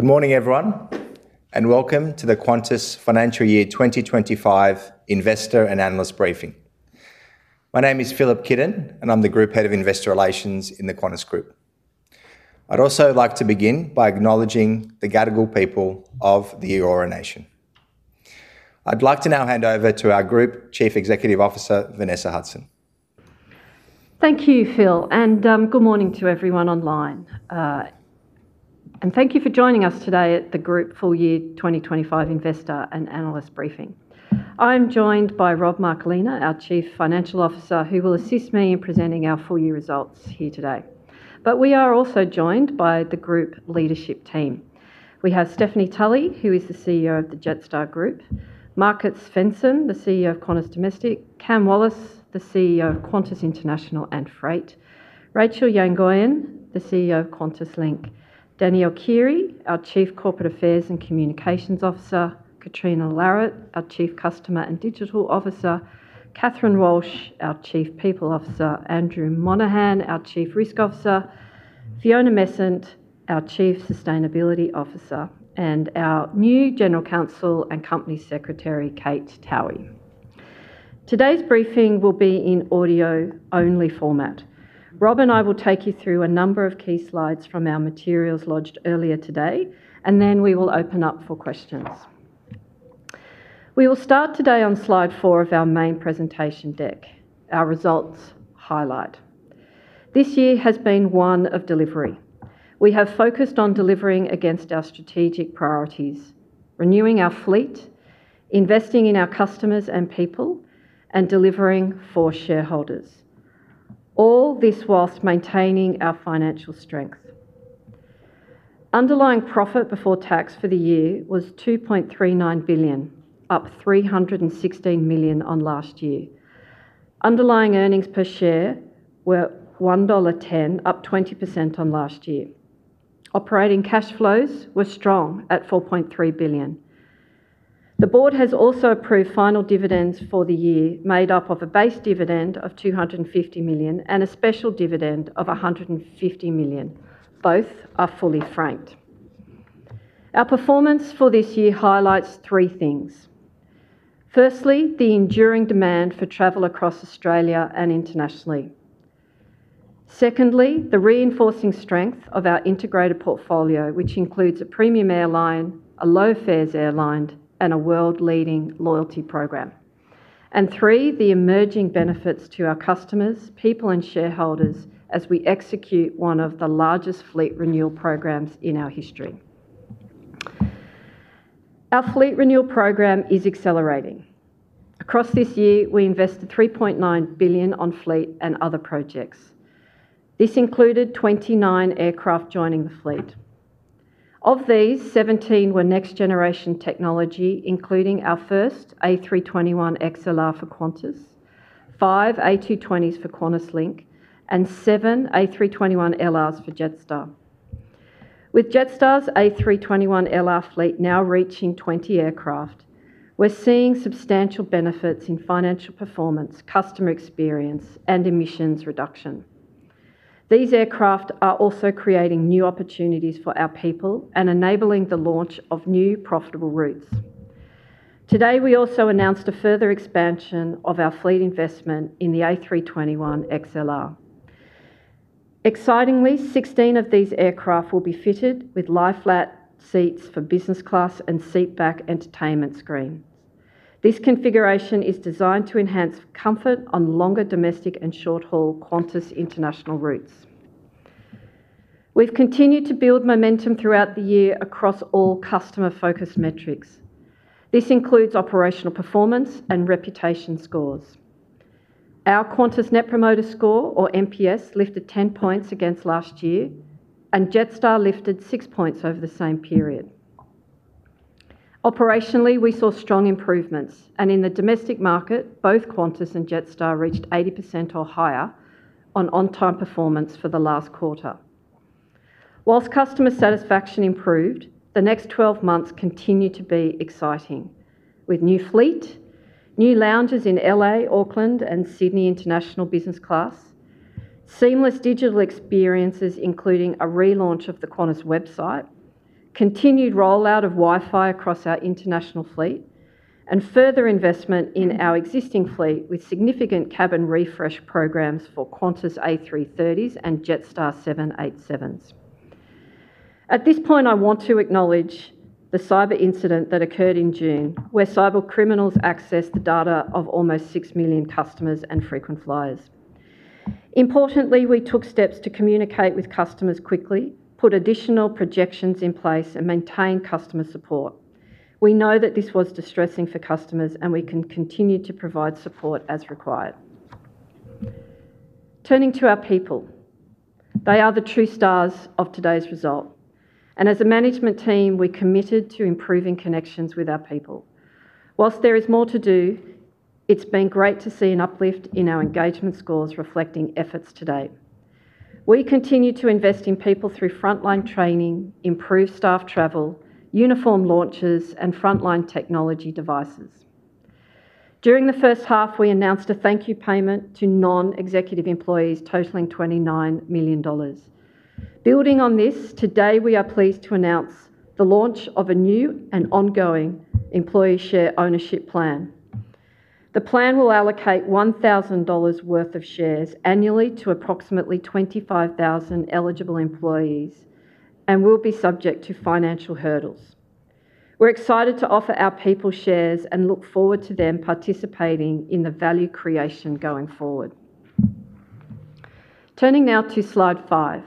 Good morning everyone and welcome to the Qantas Financial Year 2025 Investor and Analyst Briefing. My name is Filip Kidon and I'm. The Group Head of Investor Relations in the Qantas Group. I'd also like to begin by acknowledging the Gadigal people of the Eora Nation. I'd like to now hand over to our Group Chief Executive Officer Vanessa Hudson. Thank you, Phil. Good morning to everyone online and thank you for joining us today at the Group Full Year 2025 Investor and Analyst Briefing. I'm joined by Rob Marcolina, our Chief Financial Officer, who will assist me in presenting our full year results here today. We are also joined by the group leadership team. We have Stephanie Tully, who is the CEO of the Jetstar Group, Markus Svensson, the CEO of Qantas Domestic, Cam Wallace, the CEO of Qantas International and Freight, Rachel Yangoyan, the CEO of QantasLink, Danielle Keighery, our Chief Corporate Affairs and Communications Officer, Catriona Larritt, our Chief Customer and Digital Officer, Catherine Walsh, our Chief People Officer, Andrew Monaghan, our Chief Risk Officer, Fiona Messent, our Chief Sustainability Officer, and our new General Counsel and Company Secretary, Kate Towey. Today's briefing will be in audio only format. Rob and I will take you through a number of key slides from our materials lodged earlier today and then we will open up for questions. We will start today on slide four of our main presentation deck. Our results highlight this year has been one of delivery. We have focused on delivering against our strategic priorities, renewing our fleet, investing in our customers and people, and delivering for shareholders, all this whilst maintaining our financial strength. Underlying profit before tax for the year was $2.39 billion, up $316 million on last year. Underlying earnings per share were $1.10, up 20% on last year. Operating cash flows were strong at $4.3 billion. The board has also approved final dividends for the year made up of a base dividend of $250 million and a special dividend of $150 million. Both are fully franked. Our performance for this year highlights three things. Firstly, the enduring demand for travel across Australia and internationally. Secondly, the reinforcing strength of our integrated portfolio, which includes a premium airline, a low fares airline, and a world leading loyalty program. Thirdly, the emerging benefits to our customers, people, and shareholders as we execute one of the largest fleet renewal programs in our history. Our fleet renewal program is accelerating. Across this year we invested $3.9 billion on fleet and other projects. This included 29 aircraft joining the fleet. Of these, 17 were next generation technology, including our first A321XLR for Qantas, five A220s for QantasLink, and seven Airbus A321LRs for Jetstar. With Jetstar's A321LR fleet now reaching 20 aircraft, we're seeing substantial benefits in financial performance, customer experience, and emissions reduction. These aircraft are also creating new opportunities for our people and enabling the launch of new profitable routes. Today we also announced a further expansion of our fleet investment in the A321XLR. Excitingly, 16 of these aircraft will be fitted with lie-flat seats for business class and seatback entertainment screens. This configuration is designed to enhance comfort on longer domestic and short-haul Qantas International routes. We've continued to build momentum throughout the year across all customer-focused metrics. This includes operational performance and reputation scores. Our Qantas net promoter score, or NPS, lifted 10 points against last year and Jetstar lifted six points over the same period. Operationally, we saw strong improvements and in the domestic market both Qantas and Jetstar reached 80% or higher on on-time performance for the last quarter, whilst customer satisfaction improved. The next 12 months continue to be exciting with new fleet, new lounges in L.A., Auckland, and Sydney, international business class, seamless digital experiences including a relaunch of the Qantas website, continued rollout of Wi-Fi across our international fleet, and further investment in our existing fleet with significant cabin refresh programs for Qantas A330s and Jetstar 787s. At this point, I want to acknowledge the cyber incident that occurred in June where cybercriminals accessed the data of almost 6 million customers and frequent flyers. Importantly, we took steps to communicate with customers quickly, put additional protections in place, and maintain customer support. We know that this was distressing for customers and we will continue to provide support as required. Turning to our people, they are the true stars of today's result and as a management team we're committed to improving connections with our people. Whilst there is more to do, it's been great to see an uplift in our engagement scores reflecting efforts to date. We continue to invest in people through frontline training, improved staff travel, uniform launches, and frontline technology devices. During the first half, we announced a thank you payment to non-executive employees totaling $29 million. Building on this, today we are pleased to announce the launch of a new and ongoing employee share ownership plan. The plan will allocate $1,000 worth of shares annually to approximately 25,000 eligible employees and will be subject to financial hurdles. We're excited to offer our people shares and look forward to them participating in the value creation going forward. Turning now to slide five.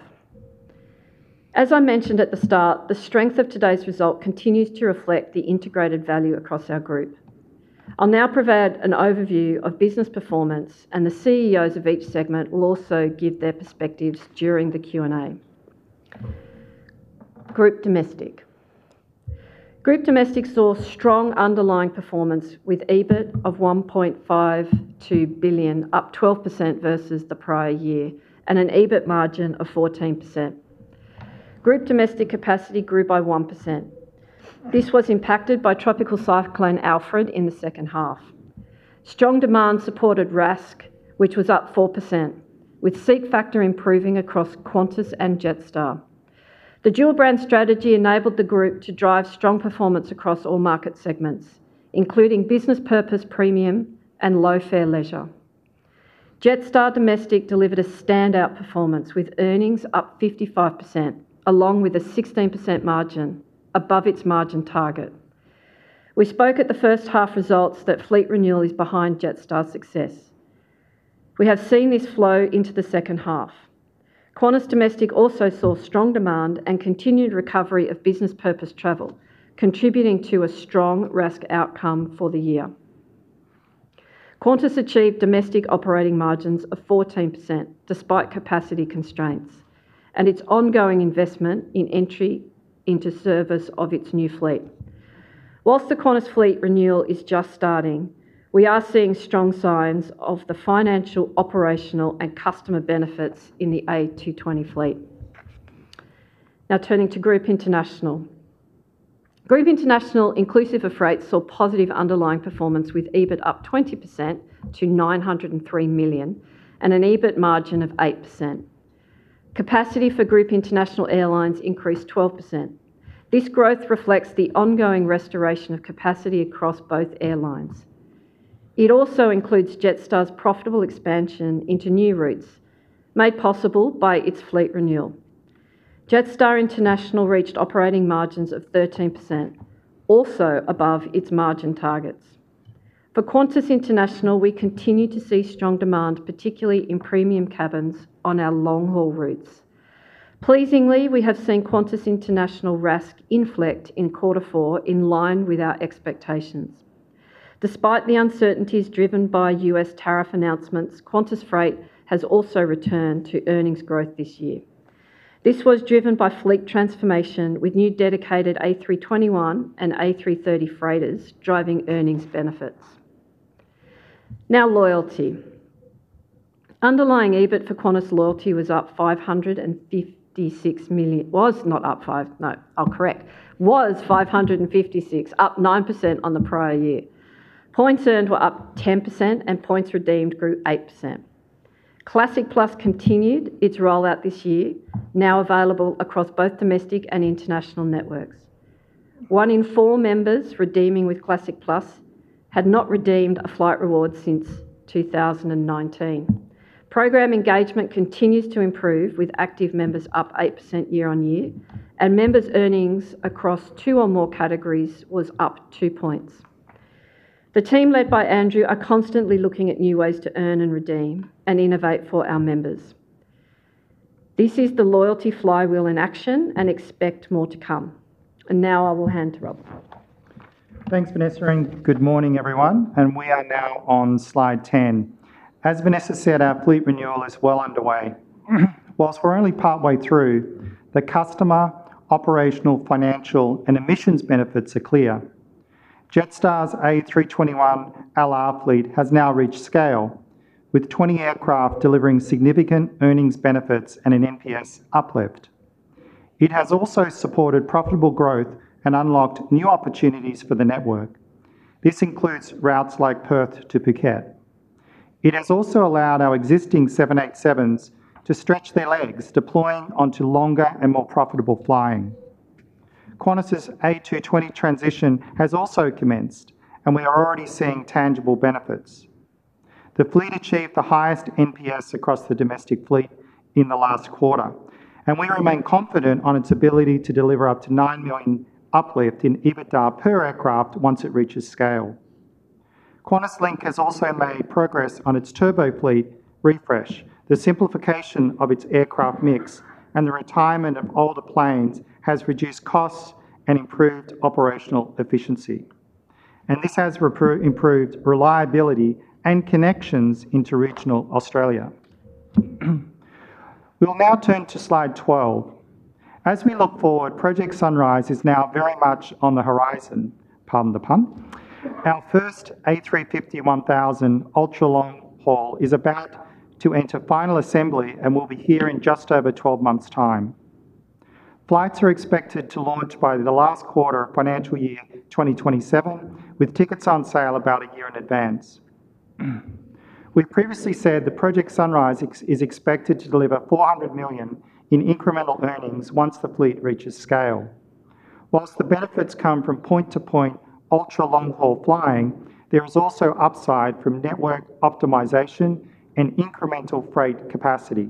As I mentioned at the start, the strength of today's result continues to reflect the integrated value across our group. I'll now provide an overview of business performance and the CEOs of each segment will also give their perspectives during the Q and A. Group Domestic saw strong underlying performance with EBIT of $1.52 billion, up 12% versus the prior year, and an EBIT margin of 14%. Group Domestic capacity grew by 1%. This was impacted by Tropical Cyclone Alfred in the second half. Strong demand supported RASK, which was up 4%, with seat factor improving across Qantas and Jetstar. The dual brand strategy enabled the group to drive strong performance across all market segments including business purpose, premium, and low fare leisure. Jetstar Domestic delivered a standout performance with earnings up 55% along with a 16% margin, above its margin target. We spoke at the first half results that fleet renewal is behind Jetstar's success. We have seen this flow into the second half. Qantas Domestic also saw strong demand and continued recovery of business purpose travel, contributing to a strong RASK outcome for the year. Qantas achieved domestic operating margins of 14% despite capacity constraints and its ongoing investment in entry into service of its new fleet. Whilst the Qantas fleet renewal is just starting, we are seeing strong signs of the financial, operational, and customer benefits in the A220 fleet. Now turning to Group International, Group International inclusive of freight saw positive underlying performance with EBIT up 20% to $903 million and an EBIT margin of 8%. Capacity for Group International airlines increased 12%. This growth reflects the ongoing restoration of capacity across both airlines. It also includes Jetstar's profitable expansion into new routes made possible by its fleet renewal. Jetstar International reached operating margins of 13%, also above its margin targets. For Qantas International, we continue to see strong demand, particularly in premium cabins on our long haul routes. Pleasingly, we have seen Qantas International RASK inflect in Q4 in line with our expectations despite the uncertainties driven by U.S. tariff announcements. Qantas Freight has also returned to earnings growth this year. This was driven by fleet transformation with new dedicated A321 and A330 freighters driving earnings benefits now. Underlying EBIT for Qantas Loyalty was $556 million. It was not up five, no oh correct was $556 million, up 9% on the prior year. Points earned were up 10% and points redeemed grew 8%. Classic Plus continued its rollout this year, now available across both domestic and international networks. One in four members redeeming with Classic Plus had not redeemed a flight reward since 2019. Program engagement continues to improve with active members up 8% year on year and members earning across two or more categories was up 2 points. The team led by Andrew are constantly looking at new ways to earn and redeem and innovate. For our members this is the loyalty flywheel in action and expect more to come. I will hand to Rob. Thanks Vanessa and good morning everyone. We are now on slide 10. As Vanessa said, our fleet renewal is well underway. Whilst we're only partway through, the customer, operational, financial, and emissions benefits are clear. Jetstar's A321LR fleet has now reached scale with 20 aircraft delivering significant earnings benefits and an NPS uplift. It has also supported profitable growth and unlocked new opportunities for the network. This includes routes like Perth to Phuket. It has also allowed our existing 787s to stretch their legs, deploying onto longer and more profitable flying. Qantas A220 transition has also commenced and we are already seeing tangible benefits. The fleet achieved the highest NPS across. The domestic fleet in the last quarter. We remain confident on its ability. To deliver up to 9 million uplift. In EBITDA per aircraft once it reaches scale. QantasLink has also made progress on its turbo fleet refresh. The simplification of its aircraft mix and the retirement of older planes has reduced costs and improved operational efficiency, and this has improved reliability and connections into regional Australia. We'll now turn to slide 12 as we look forward. Project Sunrise is now very much on the horizon, pardon the pun. Our first A350-1000 ultra-long-haul is about to enter final assembly and will be here in just over 12 months' time. Flights are expected to launch by the last quarter of financial year 2027 with tickets on sale about a year in advance. We previously said that Project Sunrise is expected to deliver $400 million in incremental earnings once the fleet reaches scale. Whilst the benefits come from point-to-point ultra-long-haul flying, there is also upside from network optimization and incremental freight capacity.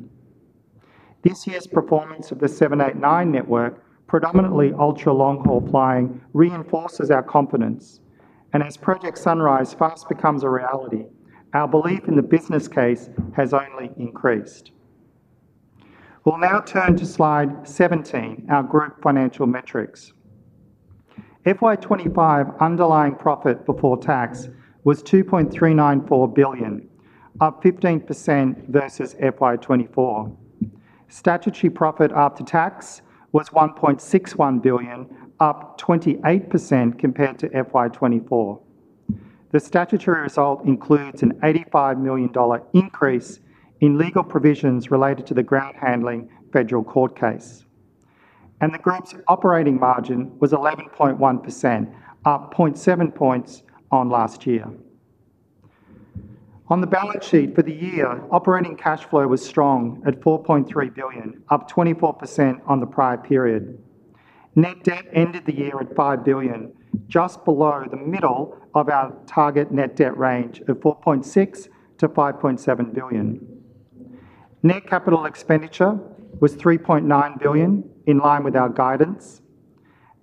This year's performance of the 789 network, predominantly ultra-long-haul flying, reinforces our confidence, and as Project Sunrise fast becomes a reality, our belief in the business case has only increased. We'll now turn to slide 17, our group financial metrics. FY 2025 underlying profit before tax was $2.394 billion, up 15% versus FY 2024. Statutory profit after tax was $1.61 billion, up 28% compared to FY 2024. The statutory result includes an $85 million increase in legal provisions related to the ground handling federal court case, and the group's operating margin was 11.1%, up 0.7 points on last year. On the balance sheet for the year, operating cash flow was strong at $4.3 billion, up 24% on the prior period. Net debt ended the year at $5 billion, just below the middle of our target net debt range at $4.6 billion-$5.7 billion. Net capital expenditure was $3.9 billion in line with our guidance,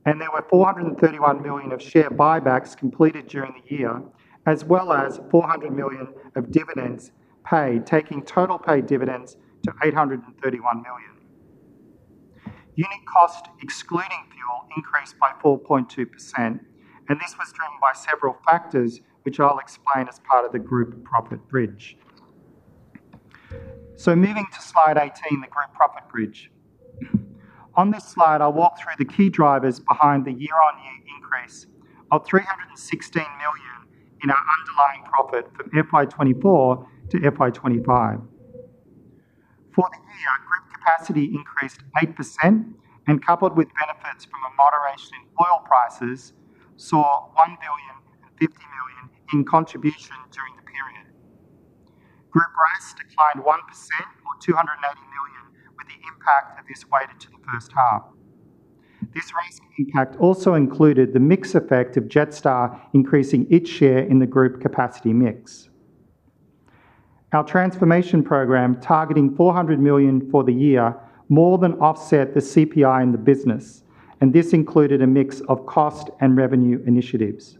and there were $431 million of share buybacks completed during the year as well as $400 million of dividends paid, taking total paid dividends to $831 million. Unit cost excluding fuel increased by 4.2%, and this was driven by several factors which I'll explain as part of the group profit bridge. Moving to slide 18, the group profit bridge. On this slide, I'll walk through the key drivers behind the year-on-year increase of $316 million in our underlying profit from FY 2024-FY 2025. For the year, our group capacity increased 8% and, coupled with benefits from a moderation in oil prices, saw $1.05 billion in contribution during the period. Group RASK declined 1% or $290 million with the impact of this weighted to the first half. This RASK impact also included the mix effect of Jetstar increasing its share in the group capacity mix. Our transformation program targeting $400 million for the year more than offset the CPI in the business and this included a mix of cost and revenue initiatives.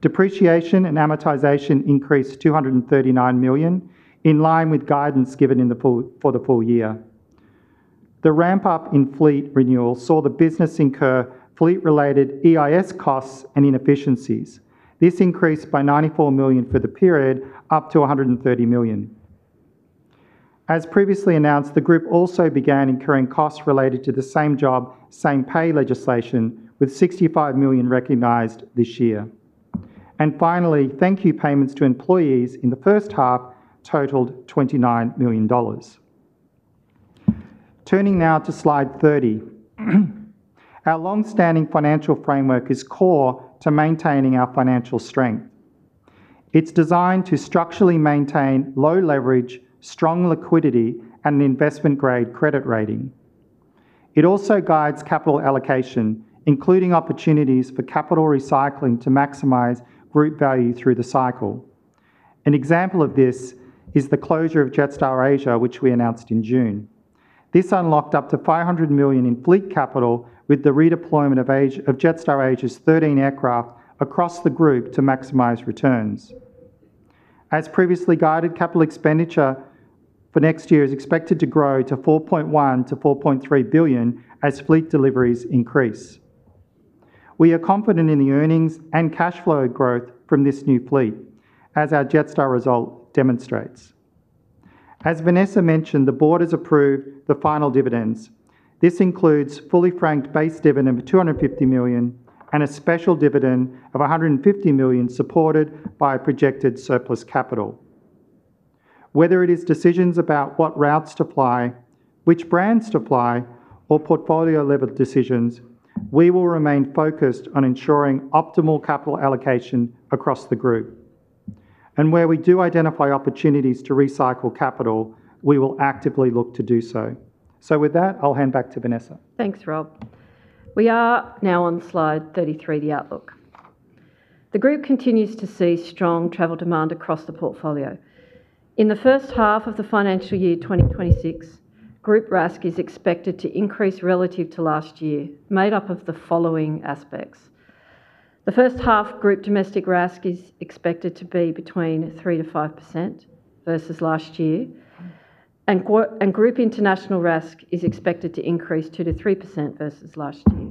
Depreciation and amortization increased $239 million in line with guidance given for the full year. The ramp up in fleet renewal saw the business incur fleet related EIS costs and inefficiencies. This increased by $94 million for the period up to $130 million as previously announced. The group also began incurring costs related to the same job same pay legislation with $65 million recognized this year. Finally, thank you payments to employees in the first half totaled $29 million. Turning now to slide 30. Our long standing financial framework is core to maintaining our financial strength. It's designed to structurally maintain low leverage, strong liquidity, and an investment grade credit rating. It also guides capital allocation including opportunities for capital recycling to maximize group value through the cycle. An example of this is the closure of Jetstar Asia which we announced in June. This unlocked up to $500 million in fleet capital with the redeployment of Jetstar Asia's 13 aircraft across the group to maximize returns. As previously guided, capital expenditure for next year is expected to grow to $4.1 billion-$4.3 billion as fleet deliveries increase. We are confident in the earnings and cash flow growth from this new fleet as our Jetstar result demonstrates. As Vanessa mentioned, the board has approved the final dividends. This includes a fully franked base dividend of $250 million and a special dividend of $150 million supported by a projected surplus capital. Whether it is decisions about what routes to fly, which brands to fly, or portfolio level decisions, we will remain focused on ensuring optimal capital allocation across the group and where we do identify opportunities to recycle capital, we will actively look to do so. With that, I'll hand back to Vanessa. Thanks Rob. We are now on slide 33, the outlook. The Group continues to see strong travel demand across the portfolio in the first half of the financial year 2026. Group RASK is expected to increase relative to last year, made up of the following aspects. The first half Group Domestic RASK is expected to be between 3%-5% versus last year, and Group International RASK is expected to increase 2%-3% versus last year.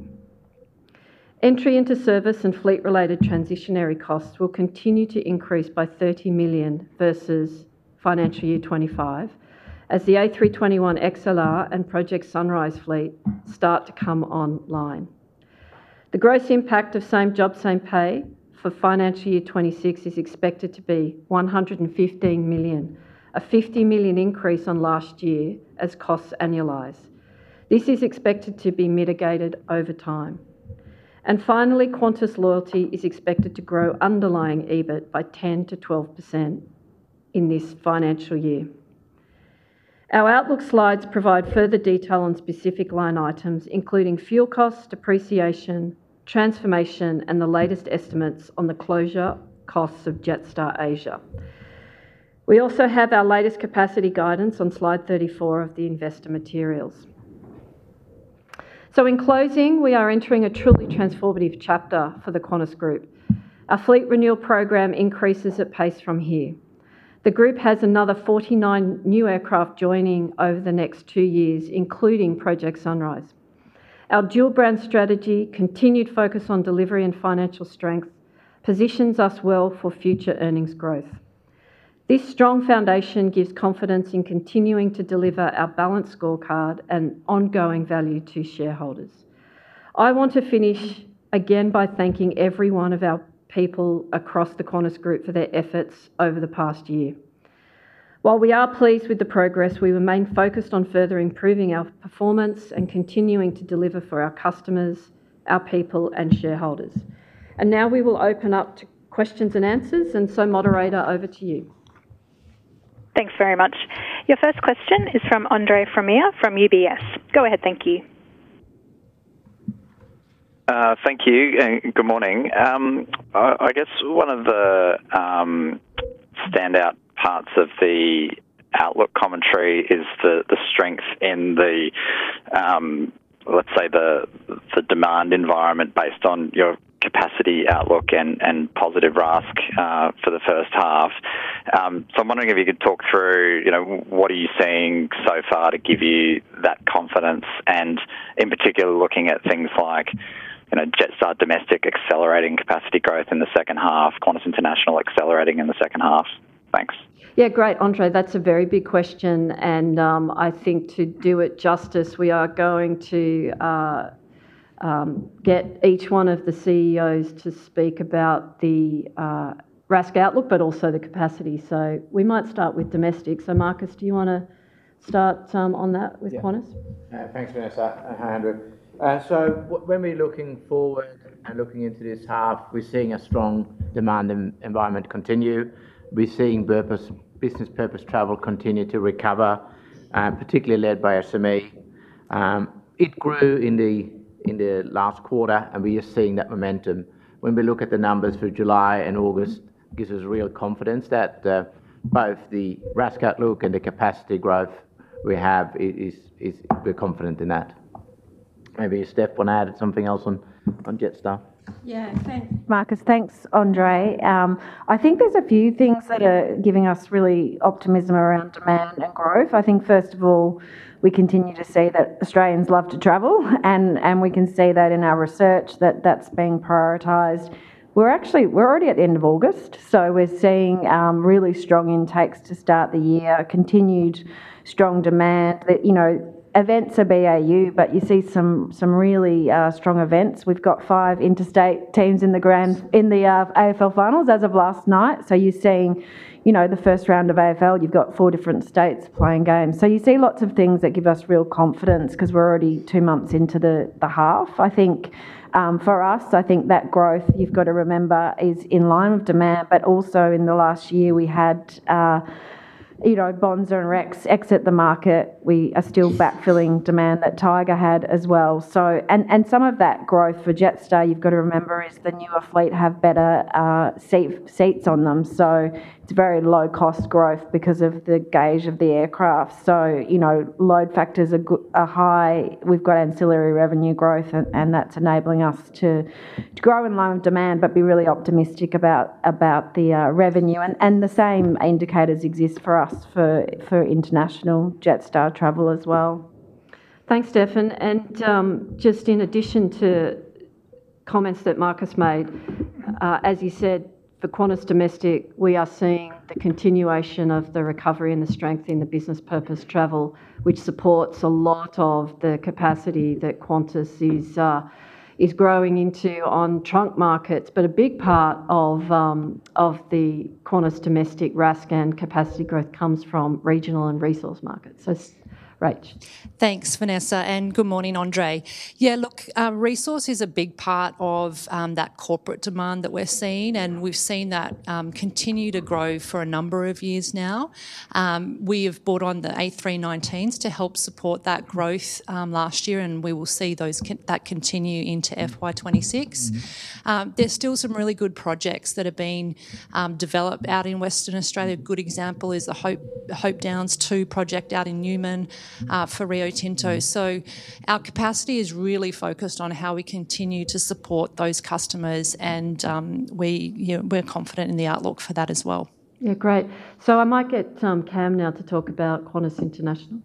Entry into service and fleet-related transitionary costs will continue to increase by $30 million versus financial year 2025 as the A321XLR and Project Sunrise fleet start to come online. The gross impact of same job, same pay for financial year 2026 is expected to be $115 million, a $50 million increase on last year as costs annualize. This is expected to be mitigated over time. Finally, Qantas Loyalty is expected to grow underlying EBIT by 10%-12% in this financial year. Our outlook slides provide further detail on specific line items including fuel costs, depreciation, transformation, and the latest estimates on the closure costs of Jetstar Asia. We also have our latest capacity guidance on slide 34 of the investor materials. In closing, we are entering a truly transformative chapter for the Qantas Group. Our fleet renewal program increases at pace from here. The Group has another 49 new aircraft joining over the next two years, including Project Sunrise. Our dual brand strategy, continued focus on delivery, and financial strength positions us well for future earnings growth. This strong foundation gives confidence in continuing to deliver our balanced scorecard and ongoing value to shareholders. I want to finish again by thanking every one of our people across the Qantas Group for their efforts over the past year. While we are pleased with the progress, we remain focused on further improving our performance and continuing to deliver for our customers, our people, and shareholders. We will now open up to questions and answers. Moderator, over to you. Thanks very much. Your first question is from Andre Fromyhr from UBS. Go ahead. Thank you. Thank you and good morning. I guess one of the standout parts of the outlook commentary is the strength in the, say, the demand environment based on your capacity outlook and positive risk for the first half. I'm wondering if you could talk through what are you seeing so far to give you that confidence, and in particular, looking at things like Jetstar Domestic accelerating capacity growth in the second half, Qantas International accelerating in the second half. Thanks. Yeah, great, Andre. That's a very big question and I think to do it justice, we are going to get each one of the CEOs to speak about the RASK outlook, but also the capacity. We might start with domestic. Markus, do you want to start on that with Qantas? Thanks, Vanessa. When we're looking forward and looking into this half, we're seeing a strong demand environment continue. We're seeing business purpose travel continue to recover, particularly led by SME. It grew in the last quarter. We are seeing that momentum when we look at the numbers for July and August, which gives us real confidence that both the RASK outlook and the capacity growth we have, we're confident in that. Maybe Steph, want to add something else on Jetstar? Yeah, Markus, thanks, Andre. I think there's a few things that are giving us real optimism around demand and growth. First of all, we continue to see that Australians love to travel, and we can see that in our research that that's being prioritized. We're already at the end of August, so we're seeing really strong intakes to start the year. Continued strong demand. Events are BAU, but you see some really strong events. We've got five interstate teams in the grand in the AFL finals as of last night. You're seeing the first round of AFL. You've got four different states playing games. You see lots of things that give us real confidence because we're already two months into the half. For us, that growth, you've got to remember, is in line with demand. Also, in the last year we had Bonza and Rex exit the market. We are still backfilling demand that Tiger had as well. Some of that growth for Jetstar. You've got to remember is the newer. Fleet have better safe seats on them. It is very low cost growth because of the gauge of the aircraft. You know, load factors are high. We've got ancillary revenue growth, and that's enabling us to grow in line with demand but be really optimistic about the revenue, and the same indicators exist for us for international Jetstar travel as well. Thanks, Steffen. In addition to comments that Markus made, as you said, for Qantas Domestic we are seeing the continuation of the recovery and the strength in the business purpose travel which supports a lot of the capacity that Qantas is growing into on trunk markets. A big part of the Qantas Domestic RASK and capacity growth comes from regional and resource markets. Rach? Thanks Vanessa and good morning, Andre. Resource is a big part of that corporate demand that we're seeing and we've seen that continue to grow for a number of years now. We have brought on the A319s to help support that growth last year and we will see that continue into FY 2026. There's still some really good projects that have been developed out in Western Australia. A good example is the Hope Downs 2 project out in Newman for Rio Tinto. Our capacity is really focused on how we continue to support those customers and we're confident in the outlook for that as well. Yeah. Great. I might get Cam now to talk about Qantas International.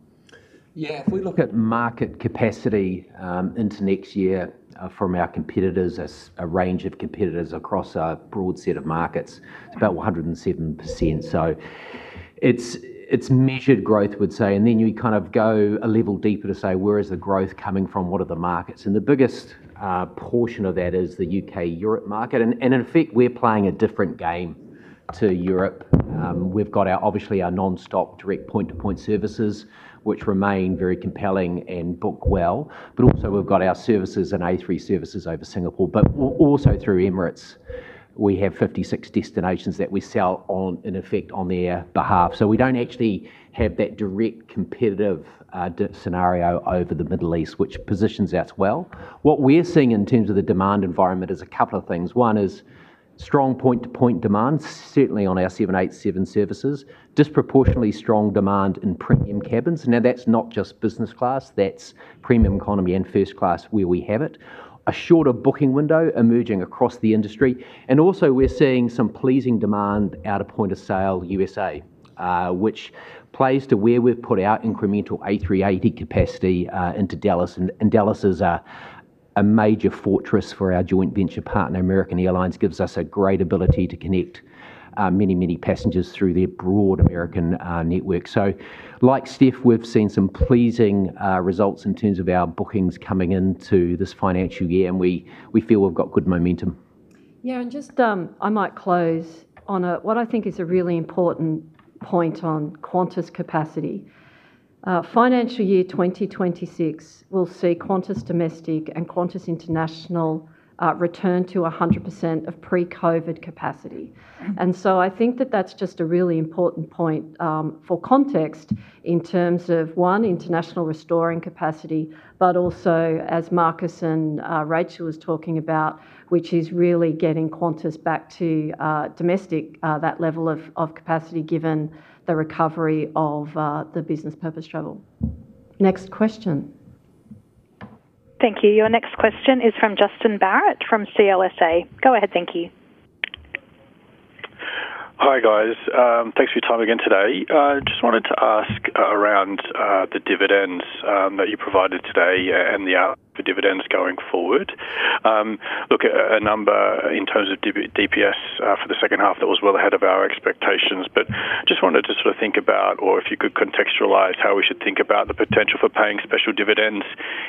Yeah. If we look at market capacity into next year from our competitors, as a range of competitors across a broad set of markets, it's about 107%. It's measured growth, would say. You kind of go a level deeper to say where is the growth coming from, what are the markets, and the biggest portion of that is the U.K. Europe market. In fact, we're playing a different game to Europe. We've got obviously our nonstop direct point-to-point services, which remain very compelling and book well. We've also got our services and A380 services over Singapore, but also through Emirates we have 56 destinations that we sell, in effect, on their behalf. We don't actually have that direct competitive scenario over the Middle East, which positions us well. What we're seeing in terms of the demand environment is a couple of things. One is strong point-to-point demand, certainly on our 787 services, disproportionately strong demand in premium cabins. That's not just business class, that's premium economy and first class, where we have it. A shorter booking window emerging across the industry and also seeing some pleasing demand out of Point of Sale USA, which plays to where we've put our incremental A380 capacity into Dallas. Dallas is a major fortress for our joint venture partner, American Airlines, gives us a great ability to connect many, many passengers through their broad American network. Like Steph, we've seen some pleasing results in terms of our bookings coming into this financial year and we feel we've got good momentum. I might close on what I think is a really important point on Qantas capacity. Financial year 2026 will see Qantas Domestic and Qantas International return to 100% of pre-COVID capacity. I think that that's just a really important point for context in terms of, one, international restoring capacity, but also as Markus and Rachel were talking about, which is really getting Qantas Domestic to that level of capacity, given the recovery of the business purpose travel. Next question. Thank you. Your next question is from Justin Barrett from CLSA. Go ahead. Thank you. Hi, guys. Thanks for your time again today. Just wanted to ask around the dividends that you provided today and the outlook for dividends going forward. Look, a number in terms of DPS for the second half, that was well ahead of our expectations, but just wanted to sort of think about, or if you could contextualize how we should think about the potential for paying special dividends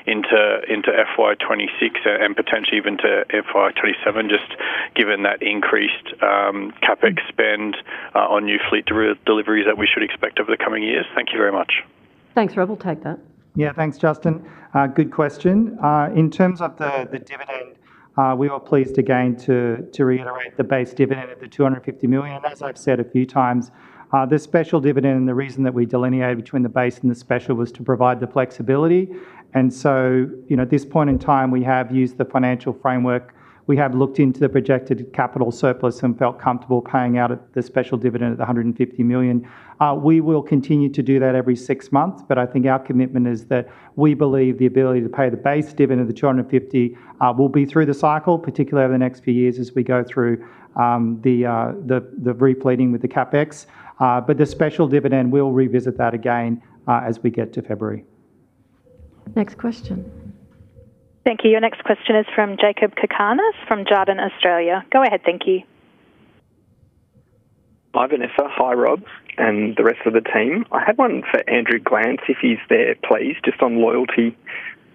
into FY 2026 and potentially even to FY 2027, just given that increased CapEx spend on new fleet deliveries that we should expect over the coming years. Thank you very much. Thanks, Rob. I'll take that. Yeah, thanks, Justin. Good question. In terms of the dividend, we were. Pleased again to reiterate the base dividend at $250 million. As I've said a few times, the special dividend. The reason that we delineated between the base and the special was to provide the flexibility. At this point in time, we have used the financial framework, we have looked into the projected capital surplus and felt comfortable paying out the special dividend at $150 million. We will continue to do that every six months. I think our commitment is that we believe the ability to pay the base dividend of $250 million will be through the cycle, particularly over the next few years as we go through the repleting with the CapEx, but the special dividend will revisit that again as we get to February. Next question. Thank you. Your next question is from Jakob Cakarnis from Jarden Australia. Go ahead. Thank you. Hi, Vanessa. Hi, Rob and the rest of the team. I have one for Andrew Glance, if he's there, please. Just on loyalty,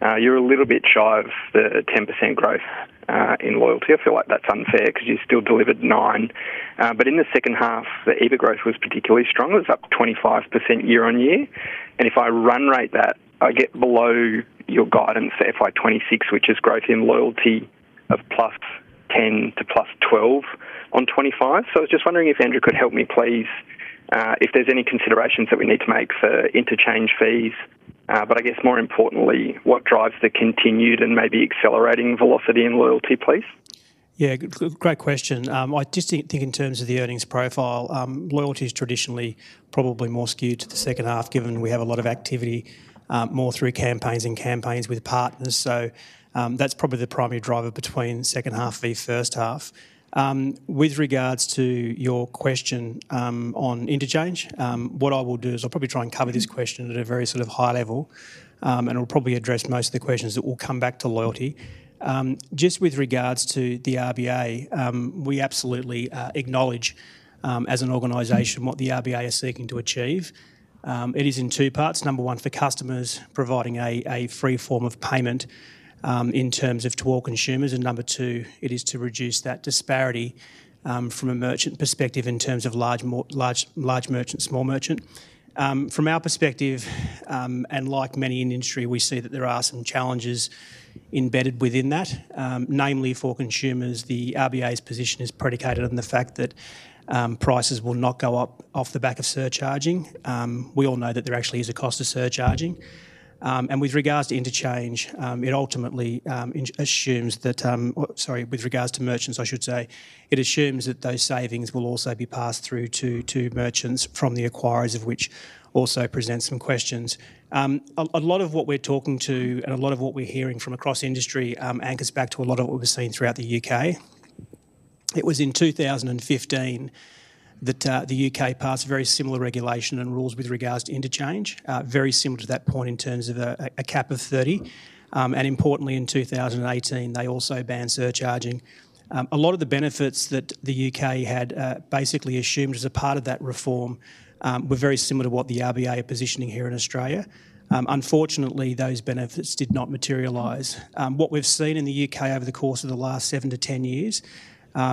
you're a little bit shy of the 10% growth in loyalty. I feel like that's unfair because you still delivered nine. In the second half the EBIT growth was particularly strong. It was up 25% year on year. If I run rate that I get below your guidance, FY 2026, which is growth in loyalty of +10% to +12% on 2025. I was just wondering if Andrew could help me, please, if there's any considerations that we need to make for interchange fees, but I guess more importantly, what drives the continued and maybe accelerating velocity in loyalty, please. Yeah, great question. I just think in terms of the earnings profile, loyalty is traditionally probably more skewed to the second half, given we have a lot of activity more through campaigns and campaigns with partners. That's probably the primary driver between second half versus first half. With regards to your question on interchange, what I will do is I'll probably try and cover this question at a very sort of high level and it'll probably address most of the questions that will come back to loyalty. Just with regards to the RBA, we absolutely acknowledge as an organization what the RBA is seeking to achieve. It is in two parts. Number one, for customers, providing a free form of payment in terms of to all consumers. Number two, it is to reduce that disparity from a merchant perspective, in terms of large merchant, small merchant from our perspective. Like many industry, we see that there are some challenges embedded within that, namely for consumers. The RBA's position is predicated on the fact that prices will not go up off the back of surcharging. We all know that there actually is a cost of surcharging and with regards to interchange, it ultimately assumes that. With regards to merchants, I should say it assumes that those savings will also be passed through to merchants from the acquirers, which also presents some questions. A lot of what we're talking to and a lot of what we're hearing from across industry anchors back to a lot of what we've seen throughout the U.K. It was in 2015 that the U.K. passed very similar regulation and rules with regards to interchange. Very similar to that point in terms of a cap of 30 and importantly, in 2018, they also banned surcharging. A lot of the benefits that the U.K. had basically assumed as a part of that reform were very similar to what the RBA are positioning here in Australia. Unfortunately, those benefits did not materialize. What we've seen in the U.K. over the course of the last seven to ten years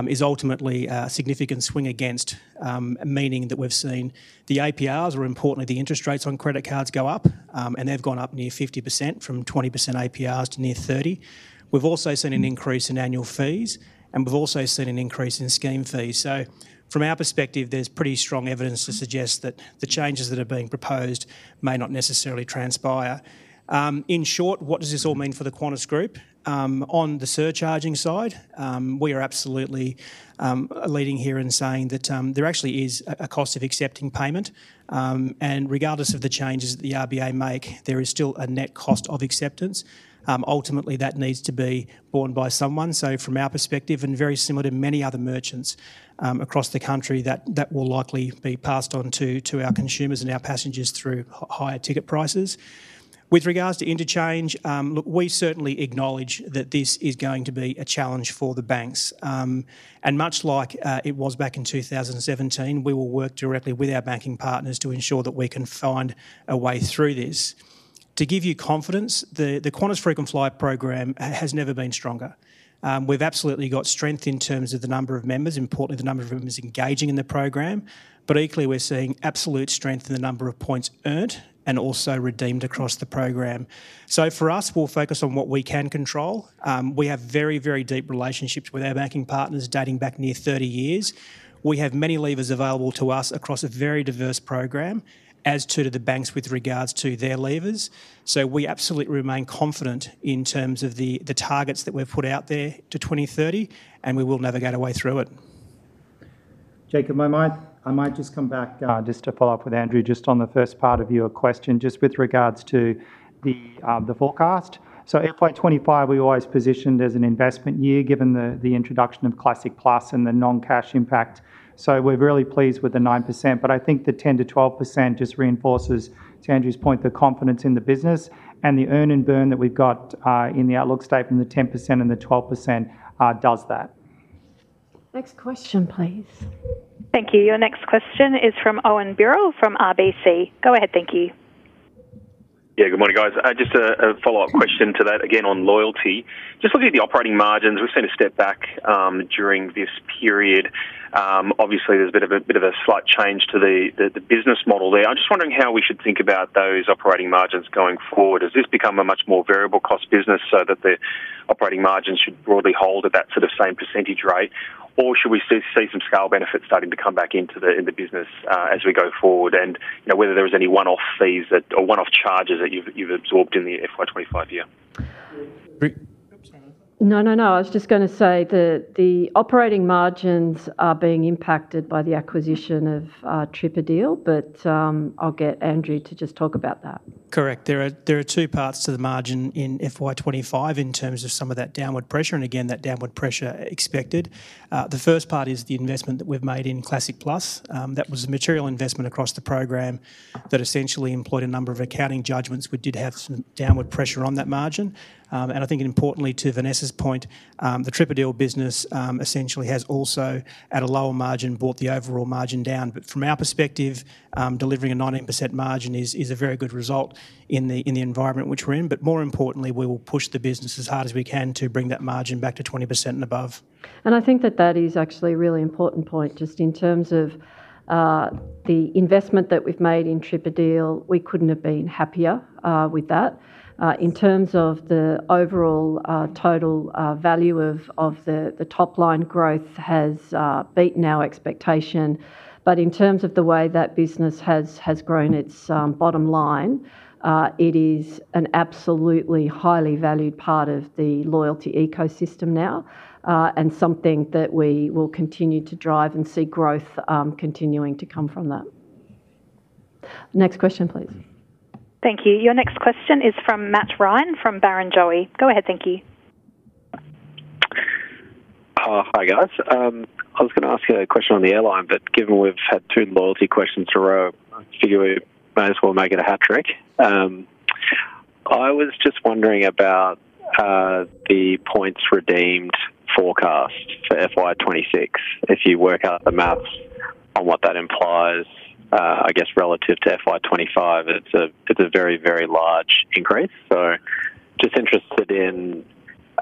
is ultimately a significant swing against. Meaning that we've seen the APRs are important. The interest rates on credit cards go up and they've gone up near 50% from 20% APRs to near 30%. We've also seen an increase in annual fees and we've also seen an increase in scheme fees. From our perspective, there's pretty strong evidence to suggest that the changes that are being proposed may not necessarily transpire. In short, what does this all mean for the Qantas Group on the surcharging side? We are absolutely leading here in saying that there actually is a cost of accepting payment, and regardless of the changes that the RBA make, there is still a net cost of acceptance. Ultimately, that needs to be borne by someone. From our perspective, and very similar to many other merchants across the country, that will likely be passed on to our consumers and our passengers through higher ticket prices with regards to interchange. We certainly acknowledge that this is going to be a challenge for the banks, and much like it was back in 2017, we will work directly with our banking partners to ensure that we can find a way through this to give you confidence. The Qantas frequent flyer program has never been stronger. We've absolutely got strength in terms of the number of members, importantly the number of members engaging in the program. Equally, we're seeing absolute strength in the number of points earned and also redeemed across the program. For us, we'll focus on what we can control. We have very, very deep relationships with our banking partners dating back near 30 years. We have many levers available to us across a very diverse program, as do the banks with regards to their levers. We absolutely remain confident in terms of the targets that we've put out there to 2030, and we will navigate our way through it. Jacob, I might just come back to follow up with Andrew just on the first part of your question, just with regards to the forecast. FY 2025, we always positioned as an investment year given the introduction of Classic Plus and the non-cash impact. We're really pleased with the 9%, but I think the 10%-12% just reinforces, to Andrew's point, the confidence in the business and the earn and burn that we've got in the outlook statement, the 10% and the 12%, does that. Next question please. Thank you. Your next question is from Owen Birrell from RBC. Go ahead. Thank you. Good morning, guys. Just a follow-up question to that again on loyalty. Just looking at the operating margins, we've seen a step back during this period. Obviously there's a slight change to the business model there. I'm just wondering how we should think about those operating margins going forward. Does this become a much more variable cost business so that the operating margins should broadly hold at that sort of same percentage rate, or should we see some scale benefits starting to come back into the business as we go forward, and whether there were any one-off fees or one-off charges that you've absorbed in the FY 2025 year? No, I was just going to say that the operating margins are being impacted by the acquisition of TripADeal, but I'll get Andrew to just talk about that. Correct. There are two parts to the margin in FY2025 in terms of some of that downward pressure, and again that downward pressure is expected. The first part is the investment that we've made in Classic Plus; that was a material investment across the program that essentially employed a number of accounting judgments. We did have some downward pressure on that margin. I think, importantly, to Vanessa's point, the TripADeal business essentially has also, at a lower margin, brought the overall margin down. From our perspective, delivering a 19% margin is a very good result in the environment which we're in. More importantly, we will push the business as hard as we can to bring that margin back to 20% and above. I think that that is actually a really important point. Just in terms of the investment that we've made in TripADeal, we couldn't have been happier with that. In terms of the overall total value, the top line growth has beaten our expectation. In terms of the way that business has grown its bottom line, it is an absolutely highly valued part of the loyalty ecosystem now and something that we see growth continuing to come from. Next question please. Thank you. Your next question is from Matt Ryan from Barrenjoey. Go ahead. Thank you. Hi guys. I was going to ask a question on the airline, but given we've had two loyalty questions in a row, I figure we might as well make it a hat trick. I was just wondering about the points redeemed forecast for FY 2026. If you work out the math on what that implies, I guess relative to FY 2025, it's a very, very large increase. Just interested in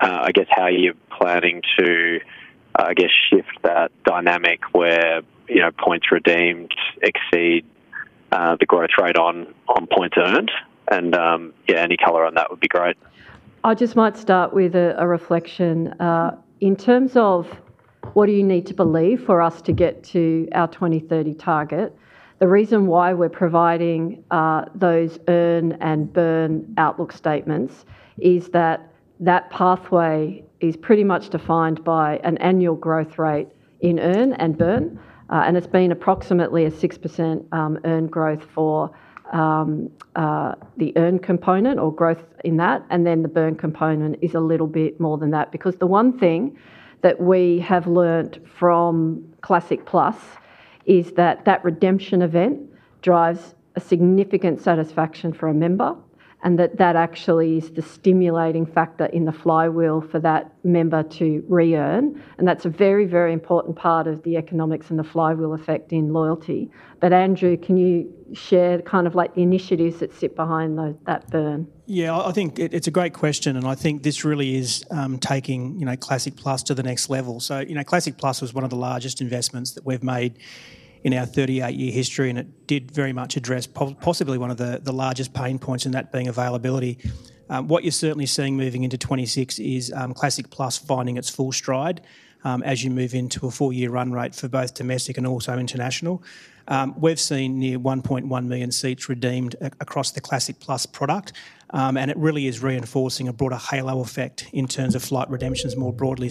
how you're planning to shift that dynamic where points redeemed exceed the growth rate on points earned, and yeah, any color on that would be great. I just might start with a reflection in terms of what do you need to believe for us to get to our 2030 target. The reason why we're providing those earn and burn outlook statements is that that pathway is pretty much defined by an annual growth rate in earn and burn, and it's been approximately a 6% earn growth for the earned component or growth in that. The burn component is a little bit more than that. The one thing that we have learned from Classic Plus is that that redemption event drives a significant satisfaction for a member, and that actually is the stimulating factor in the flywheel for that member to re-earn. That's a very, very important part of the economics and the flywheel effect in loyalty. Andrew, can you share kind of like the initiatives that sit behind that burn? Yeah, I think it's a great question and I think this really is taking Classic Plus to the next level. Classic Plus was one of the largest investments that we've made in our 38-year history and it did very much address possibly one of the largest pain points in that being availability. What you're certainly seeing moving into 2026 is Classic Plus finding its full stride as you move into a four-year run rate for both domestic and also international. We've seen near 1.1 million seats redeemed across the Classic Plus product. It really is reinforcing a broader halo effect in terms of flight redemptions more broadly.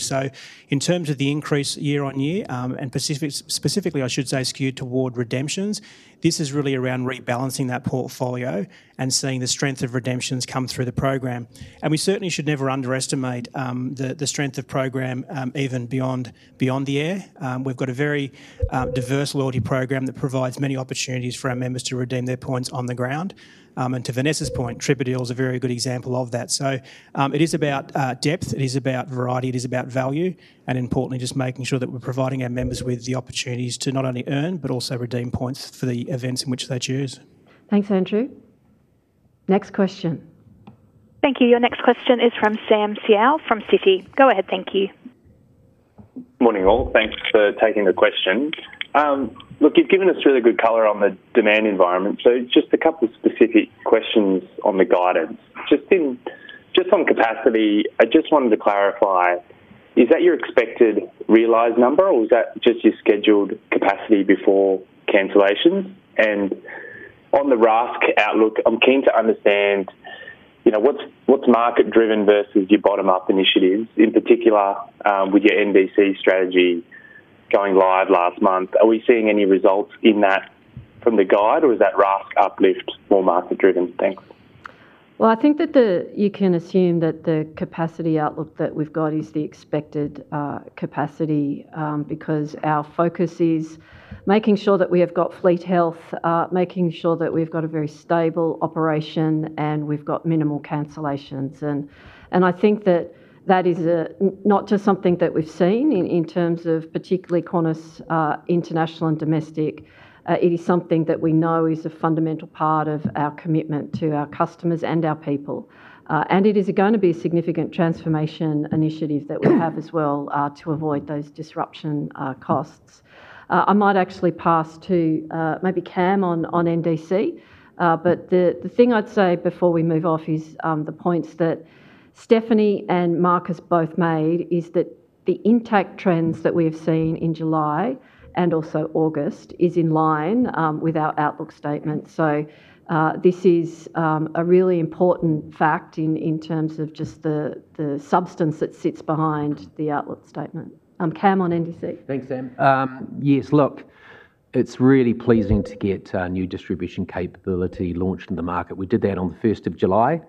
In terms of the increase year on year, and specifically I should say skewed toward redemptions, this is really around rebalancing that portfolio and seeing the strength of redemptions come through the program. We certainly should never underestimate the strength of the program even beyond the air. We've got a very diverse loyalty program that provides many opportunities for our members to redeem their points on the ground. To Vanessa's point, TripADeal is a very good example of that. It is about depth, it is about variety, it is about value, and importantly, just making sure that we're providing our members with the opportunities to not only earn but also redeem points for the events in which they choose. Thanks, Andrew. Next question. Thank you. Your next question is from Sam Seow from Citi. Go ahead. Thank you. Morning all. Thanks for taking the question. You've given us really good color on the demand environment. Just a couple of specific questions on the guidance. On capacity, I just wanted to clarify, is that your expected realized number or is that just your scheduled capacity before cancellations? On the RASK outlook, I'm keen to understand what's market driven versus your bottom up initiatives. In particular, with your NDC strategy going live last month, are we seeing any results in that from the guide or is that RASK uplift more market driven? Thanks. I think that you can assume that the capacity outlook that we've got is the expected capacity because our focus is making sure that we have got fleet health, making sure that we've got a very stable operation, and we've got minimal cancellations. I think that is not just something that we've seen in terms of particularly Qantas International and Domestic. It is something that we know is a fundamental part of our commitment to our customers and our people. It is going to be a significant transformation initiative that we'll have as well. To avoid those disruption costs, I might actually pass to maybe Cam on NDC. The thing I'd say before we move off is the points that Stephanie and Markus both made, that the intact trends that we have seen in July and also August are in line with our outlook statement. This is a really important fact in terms of just the substance that sits behind the outlook statement. Cam on NDC. Thanks, Sam. Yes, look, it's really pleasing to get new distribution capability launched in the market. We did that on the first of July.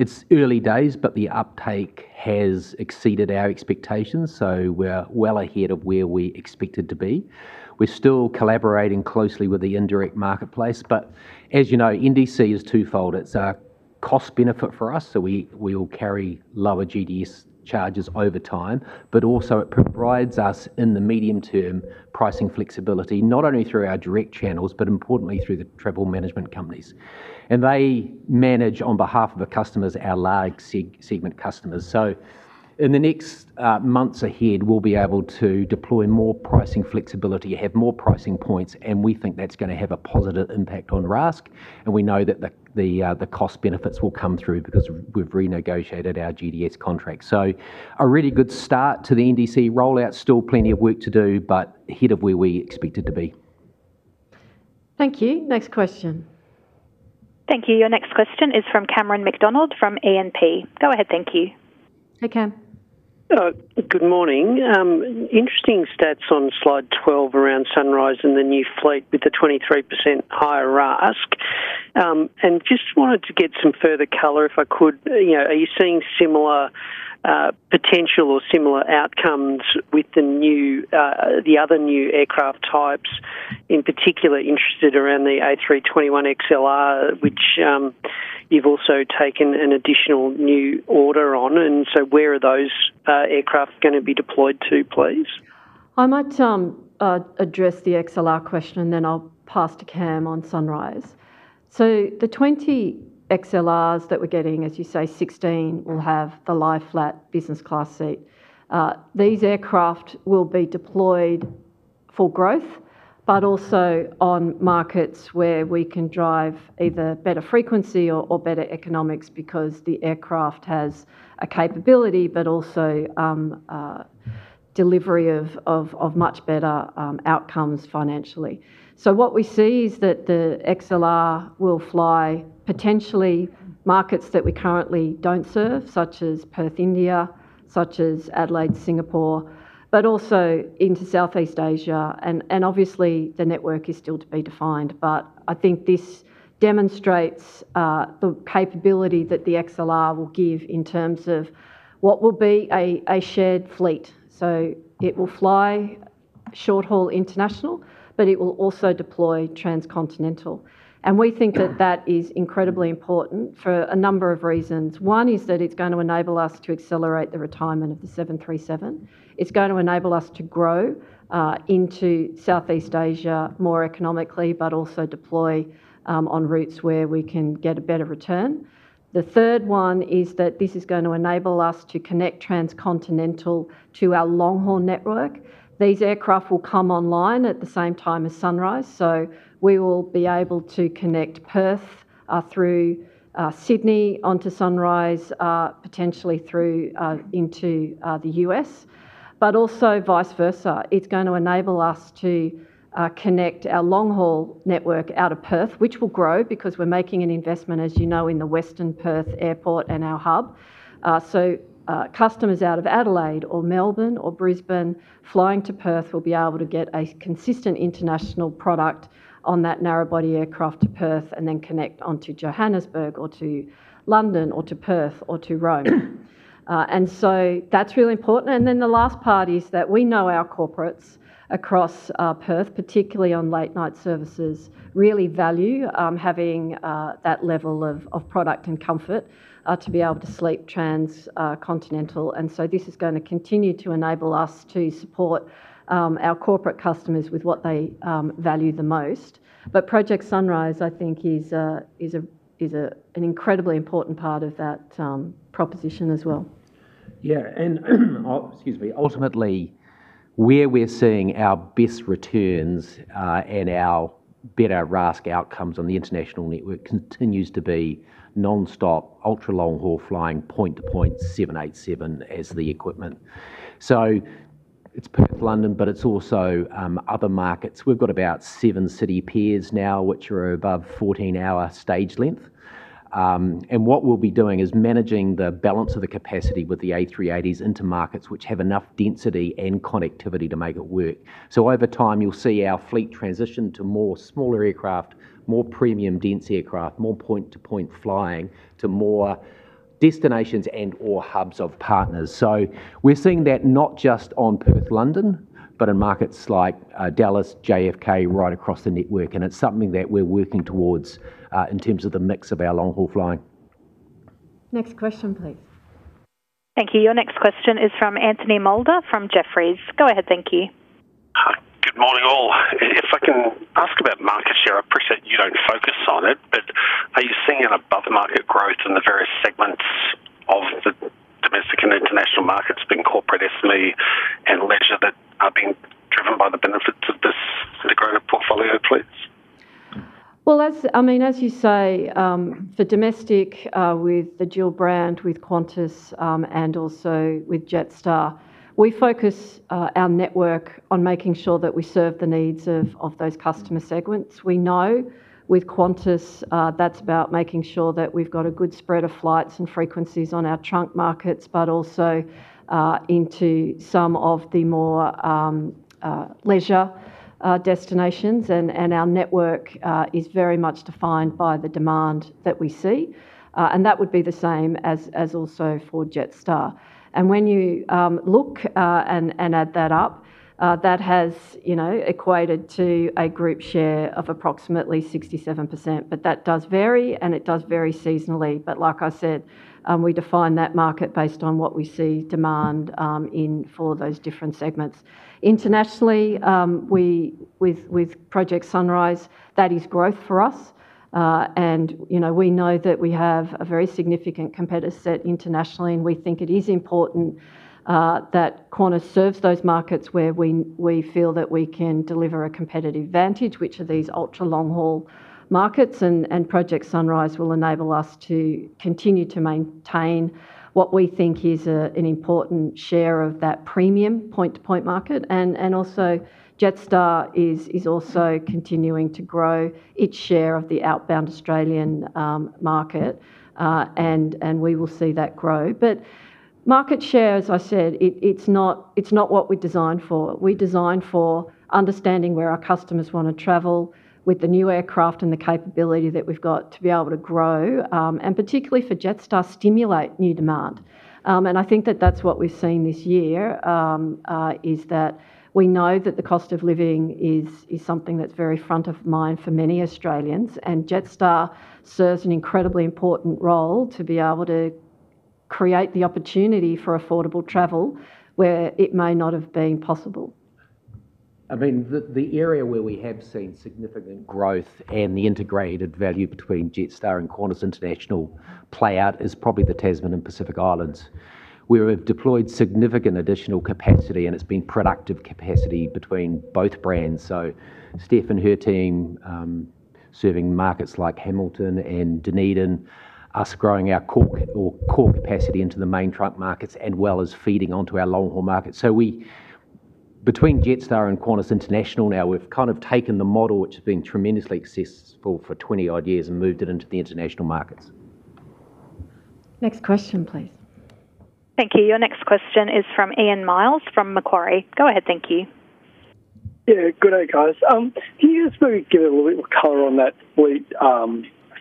It's early days, but the uptake has exceeded our expectations. We're well ahead of where we expected to be. We're still collaborating closely with the indirect marketplace, but as you know, NDC is twofold. It's a cost benefit for us, so we will carry lower GDS charges over time, but also it provides us in the medium term pricing flexibility not only through our direct channels, but importantly through the travel management companies and they manage on behalf of the customers, our large segment customers. In the next months ahead, we'll be able to deploy more pricing flexibility, have more pricing points, and we think that's going to have a positive impact on RASK. We know that the cost benefits will come through because we've renegotiated our GDS contract. A really good start to the NDC rollout. Still plenty of work to do, but ahead of where we expected to be. Thank you. Next question. Thank you. Your next question is from Cameron McDonald from E&P. Go ahead. Thank you. Hey Cam. Good morning. Interesting stats on slide 12 around Sunrise and the new fleet with the 23% higher RASK. I just wanted to get some further color if I could. Are you seeing similar potential or similar outcomes with the other new aircraft types, in particular interested around the A321XLR, which you've also taken an additional new order on? Where are those aircraft going to be deployed to, please? I might address the XLR question then I'll pass to Cam on Sunrise. The 20 XLRs that we're getting, as you say, 16 will have the lie-flat business class seat. These aircraft will be deployed, demand for growth, but also on markets where we can drive either better frequency or better economics because the aircraft has a capability but also delivery of much better outcomes financially. What we see is that the XLR will fly potentially markets that we currently don't serve, such as Perth, India, such as Adelaide, Singapore, but also into Southeast Asia. Obviously, the network is still to be defined. I think this demonstrates the capability that the XLR will give in terms of what will be a shared fleet. It will fly short-haul international, but it will also deploy transcontinental. We think that that is incredibly important for a number of reasons. One is that it's going to enable us to accelerate the retirement of the 737. It's going to enable us to grow into Southeast Asia more economically, but also deploy on routes where we can get a better return. The third one is that this is going to enable us to connect transcontinental to our long-haul network. These aircraft will come online at the same time as Sunrise. We will be able to connect Perth through Sydney onto Sunrise, potentially through into the U.S. but also vice versa. It's going to enable us to connect our long-haul network out of Perth which will grow because we're making an investment, as you know, in the Western Perth airport and our hub. Customers out of Adelaide or Melbourne or Brisbane flying to Perth will be able to get a consistent international product on that narrow-body aircraft to Perth and then connect onto Johannesburg or to London or to Perth or to [Tehran]. That's really important. The last part is that we know our corporates across Perth, particularly on late night services, really value having that level of product and comfort to be able to sleep transcontinental. This is going to continue to enable us to support our corporate customers with what they value the most. Project Sunrise I think is an incredibly important part of that proposition as well. Ultimately where we're seeing our best returns and our better RASK outcomes on the international network continues to be nonstop ultra-long-haul flying point to 787 as the equipment. It's London, but it's also other markets. We've got about seven city pairs now which are above 14-hour stage level. What we'll be doing is managing the balance of the capacity with the A380s into markets which have enough density and connectivity to make it work. Over time you'll see our fleet transition to more smaller aircraft, more premium-dense aircraft, more point-to-point flying to more destinations and or hubs of partners. We're seeing that not just on Perth, London, but in markets like Dallas, JFK, right across the network. It's something that we're working towards in terms of the mix of our long-haul flying. Next question, please. Thank you. Your next question is from Anthony Moulder from Jefferies. Go ahead. Thank you. Good morning all. If I can ask about market share, I appreciate you don't focus on it, but are you seeing an above market growth in the various segments of the domestic and international markets, being corporate, SME, and leisure, that are being driven by the benefits of the greater portfolio? Please. As you say, for domestic with the dual brand with Qantas and also with Jetstar, we focus our network on making sure that we serve the needs of those customer segments. We know with Qantas that's about making sure that we've got a good spread of flights and frequencies on our trunk markets, but also into some of the more leisure destinations. Our network is very much defined by the demand that we see, and that would be the same also for Jetstar. When you look and add that up, that has equated to a group share of approximately 67%. That does vary, and it does vary seasonally. Like I said, we define that market based on what we see demand in for those different segments internationally. With Project Sunrise, that is growth for us. We know that we have a very significant competitor set internationally, and we think it is important that Qantas serves those markets where we feel that we can deliver a competitive vantage, which are these ultra-long-haul markets. Project Sunrise will enable us to continue to maintain what we think is an important share of that premium point-to-point market. Also, Jetstar is continuing to grow its share of the outbound Australian market, and we will see that grow. Market share, as I said, it's not what we design for. We design for understanding where our customers want to travel with the new aircraft and the capability that we've got to be able to grow, and particularly for Jetstar, stimulate new demand. I think that that's what we've seen this year is that we know that the cost of living is something that's very front of mind for many Australians, and Jetstar serves an incredibly important role to be able to create the opportunity for affordable travel where it may not have been possible. I mean, the area where we have seen significant growth and the integrated value between Jetstar and Qantas International play out is probably the Tasman and Pacific Islands, where we've deployed significant additional capacity, and it's been productive capacity between both brands. Steph and her team serving markets like Hamilton and Dunedin, us growing our core capacity into the main trunk markets as well as feeding onto our long haul market. Between Jetstar and Qantas International now, we've kind of taken the model which has been tremendously successful for 20 odd years and moved it into the international markets. Next question, please. Thank you. Your next question is from Ian Myles from Macquarie. Go ahead. Thank you. Yeah, good day guys. Can you just maybe give a little bit more color on that fleet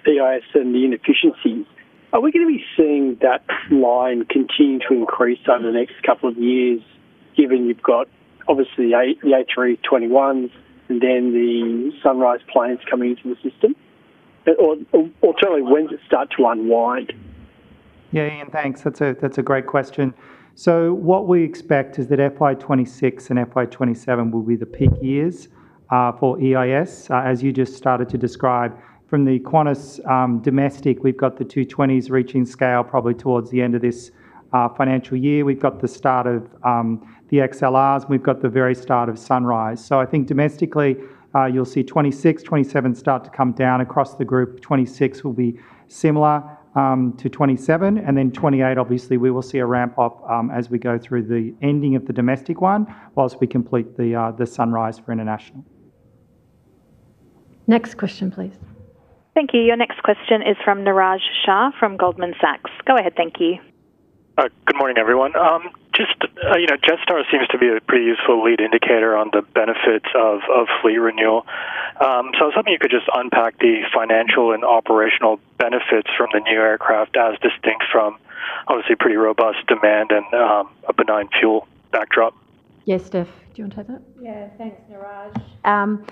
CIS and the inefficiency? Are we going to be seeing that line continue to increase over the next couple of years, given you've got obviously the A321s, then the Project Sunrise planes coming into the system, or when does it start to unwind? Yeah, Ian, thanks, that's a great question. What we expect is that FY 2026 and FY 2027 will be the peak years for EIS. As you just started to describe from the Qantas Domestic, we've got the A220s reaching scale probably towards the end of this financial year. We've got the start of the A321XLRs, we've got the very start of Sunrise. I think domestically you'll see 2026, 2027 start to come down across the group. 2026 will be similar to 2027 and then 2028. Obviously, we will see a ramp up as we go through the ending of the domestic one whilst we complete Sunrise for International. Next question, please. Thank you. Your next question is from Niraj Shah from Goldman Sachs. Go ahead. Thank you. Good morning everyone. Jetstar seems to be a pretty useful lead indicator on the benefits of fleet renewal, so I was hoping you could just unpack the financial and operational benefits from the new aircraft as distinct from obviously pretty robust demand and a benign fuel backdrop. Yes. Stephanie, do you want to take that? Yeah, thanks, Niraj.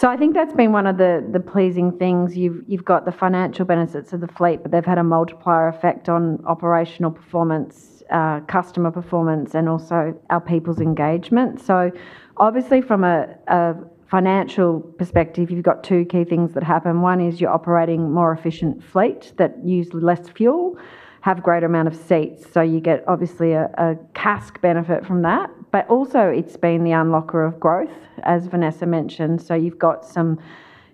I think that's been one of the pleasing things. You've got the financial benefits of the fleet, but they've had a multiplier effect on operational performance, customer performance, and also our people's engagement. Obviously, from a financial perspective, you've got two key things that happen. One is you're operating a more efficient fleet that uses less fuel and has a greater amount of seats, so you get a CASC benefit from that. It's also been the unlocker of growth, as Vanessa mentioned. You've got some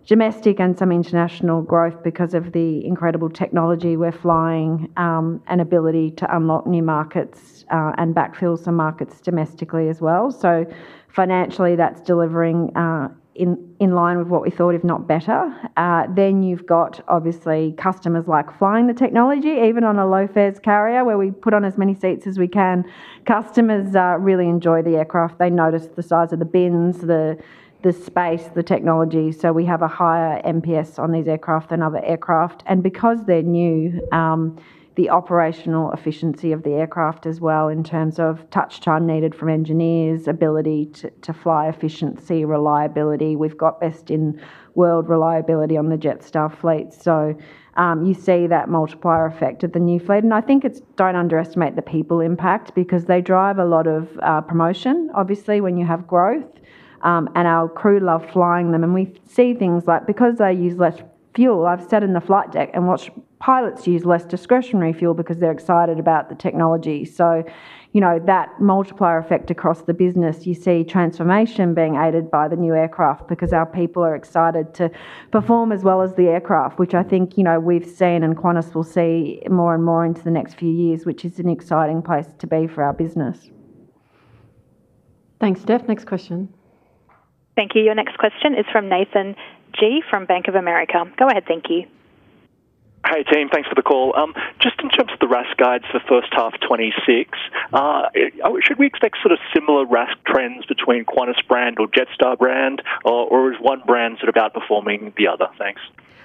domestic and some international growth because of the incredible technology we're flying and the ability to unlock new markets and backfill some markets domestically as well. Financially, that's delivering in line with what we thought, if not better. You've got customers who like flying the technology. Even on a low fares carrier where we put on as many seats as we can, customers really enjoy the aircraft. They notice the size of the bins, the space, the technology. We have a higher NPS on these aircraft than other aircraft. Because they're new, the operational efficiency of the aircraft as well, in terms of touch time needed from engineers, ability to fly, efficiency, reliability, we've got best in world reliability on the Jetstar fleet. You see that multiplier effect at the new fleet, and I think it's important not to underestimate the people impact because they drive a lot of promotion. When you have growth, our crew love flying them, and we see things like because they use less fuel, I've sat in the flight deck and watched pilots use less discretionary fuel because they're excited about the technology. That multiplier effect across the business, you see transformation being aided by the new aircraft because our people are excited to perform as well as the aircraft, which I think we've seen and Qantas will see more and more into the next few years, which is an exciting place to be for our business. Thanks, Steph. Next question. Thank you. Your next question is from Nathan Gee from Bank of America. Go ahead. Thank you. Hey team, thanks for the call. Just in terms of the RASK guides for first half 2026, should we expect sort of similar RASK trends between Qantas brand or Jetstar brand or is one brand sort of outperforming the other? Thanks.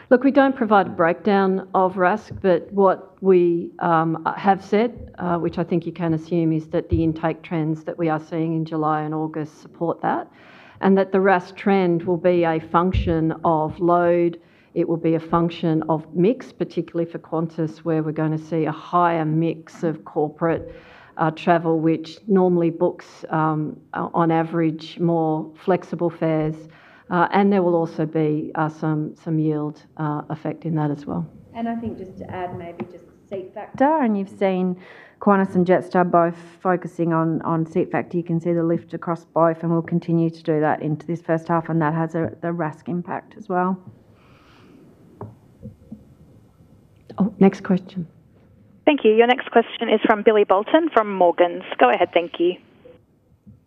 Look, we don't provide a breakdown of RASK, but what we have said, which I think you can assume, is that the intake trends that we are seeing in July and August support that, and that the RASK trend will be a function of load. It will be a function of mix, particularly for Qantas, where we're going to see a higher mix of corporate travel, which normally books, on average, more flexible fares. There will also be some yield effect in that as well. I think just to add, maybe just seat factor, and you've seen Qantas and Jetstar both focusing on seat factor. You can see the lift across both, and we'll continue to do that into this first half, and that has the RASK impact as well. Oh, next question. Thank you. Your next question is from Billy Boulton from Morgans. Go ahead. Thank you.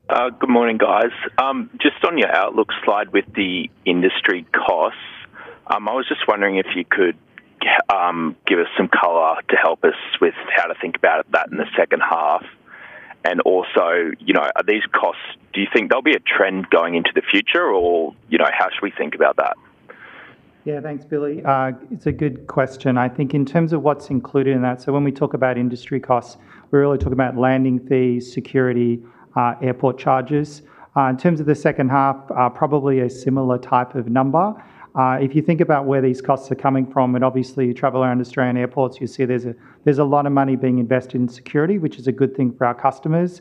Good morning, guys. On your outlook slide with the industry costs, I was just wondering if you could give us some color to help us with how to think about that in the second half. Also, are these costs, do you think there'll be a trend going into the future or how should we think about that? Yeah, thanks, Billy. It's a good question, I think, in terms of what's included in that. When we talk about industry costs, we really talk about landing fees, security, airport charges. In terms of the second half, probably a similar type of number. If you think about where these costs are coming from. Obviously, you travel around Australian airports, you see there's a lot of money being invested in security, which is a good thing for our customers.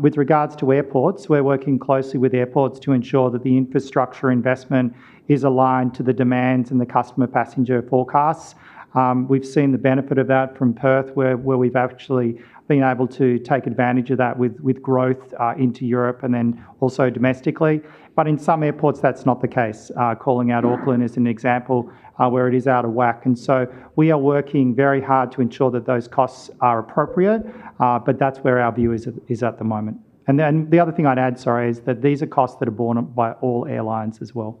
With regards to airports, we're working closely with airports to ensure that the infrastructure investment is aligned to the demands and the customer passenger forecasts. We've seen the benefit of that from Perth, where we've actually been able to take advantage of that with growth into Europe and also domestically. In some airports that's not the case. Calling out Auckland is an example where it is out of whack. We are working very hard to ensure that those costs are appropriate. That's where our view is at the moment. The other thing I'd add. Sorry, is that these are costs that are borne by all airlines as well.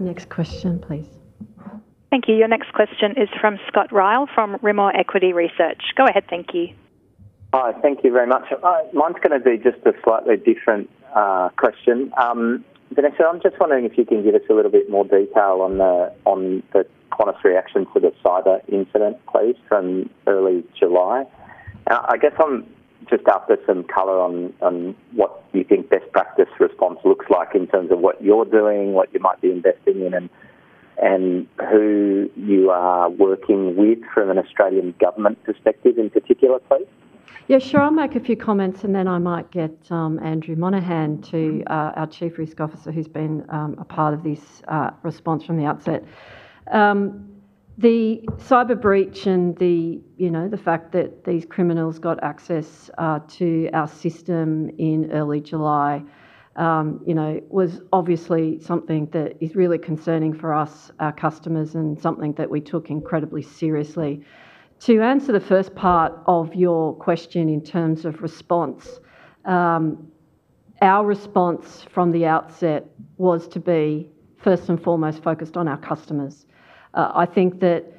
Next question, please. Thank you. Your next question is from Scott Ryall from Rimor Equity Research. Go ahead. Thank you. Hi, thank you very much. Mine's going to be just a slightly different question. Vanessa, I'm just wondering if you can give us a little bit more detail on the Qantas reaction for the cyber incident police in early July. I guess I'm just after some color on what you think best practice response looks like in terms of what you're doing, what you might be investing in, and who you are working with from an Australian government perspective in particular, please. Yeah, sure. I'll make a few comments and then I might get Andrew Monaghan, our Chief Risk Officer, who's been a part of this response from the outset. The cyber breach and the fact that these criminals got access to our system in early July was obviously something that is really concerning for us, our customers, and something that we took incredibly seriously. To answer the first part of your question in terms of response, our response from the outset was to be first and foremost focused on our customers. I think that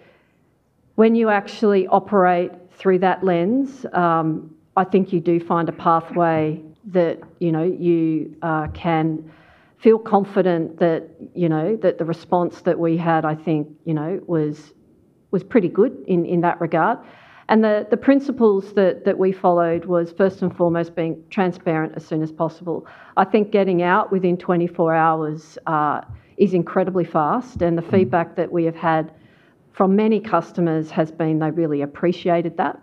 when you actually operate through that lens, you do find a pathway that you can feel confident that the response that we had was pretty good in that regard. The principles that we followed were first and foremost being transparent as soon as possible. Getting out within 24 hours is incredibly fast, and the feedback that we have had from many customers has been they really appreciated that.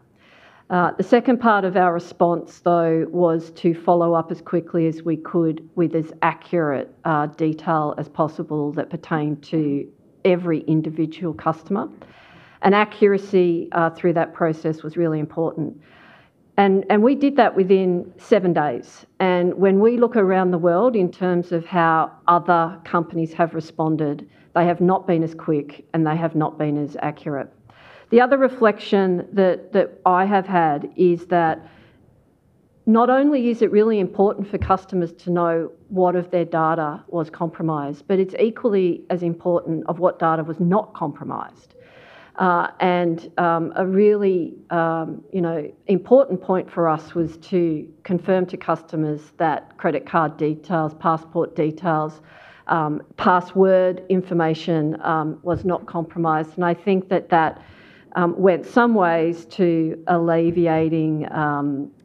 The second part of our response was to follow up as quickly as we could with as accurate detail as possible that pertained to every individual customer. Accuracy through that process was really important, and we did that within seven days. When we look around the world in terms of how other companies have responded, they have not been as quick and they have not been as accurate. The other reflection that I have had is that not only is it really important for customers to know if their data was compromised, but it's equally as important what data was not compromised. A really important point for us was to confirm to customers that credit card details, passport details, password information was not compromised. I think that went some ways to alleviating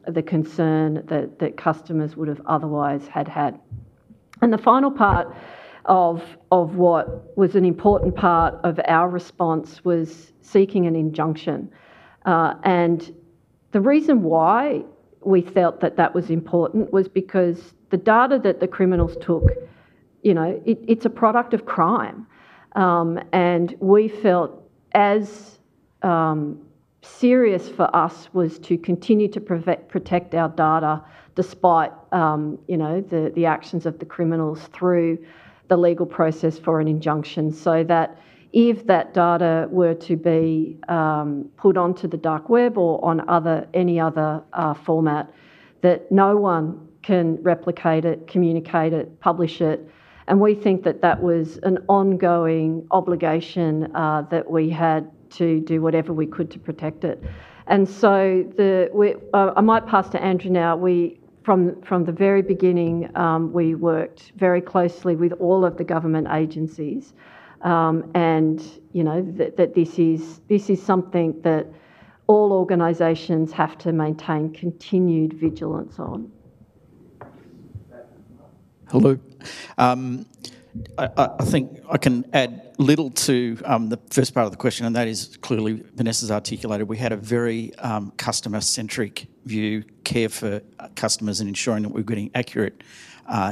the concern that customers would have otherwise had. The final part of what was an important part of our response was seeking an injunction. The reason why we felt that was important was because the data that the criminals took is a product of crime, and we felt as serious for us was to continue to protect our data despite the actions of the criminals through the legal process for an injunction. If that data were to be put onto the dark web or on any other format, no one can replicate it, communicate it, publish it, and we think that was an ongoing obligation that we had to do whatever we could to protect it. I might pass to Andrew now. From the very beginning, we worked very closely with all of the government agencies, and this is something that all organizations have to maintain continued vigilance on. Hello. I think I can add little to the first part of the question and that is clearly Vanessa's articulated. We had a very customer-centric view, care for customers, and ensuring that we were getting accurate